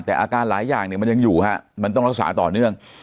แต่อาการหลายอย่างเนี่ยมันยังอยู่ฮะมันต้องรักษาต่อเนื่อง